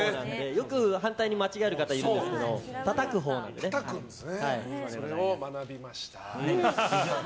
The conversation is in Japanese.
よく反対に間違える方いるんですけどそれを学びました。